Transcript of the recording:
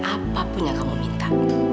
apapun yang kamu minta